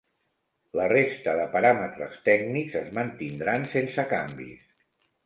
La resta de paràmetres tècnics es mantindran sense canvis.